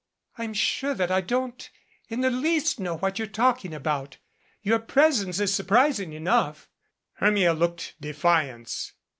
"I'm sure that I don't in the least know what you're talking about. Your presence is surprising enough " Hermia looked defiance.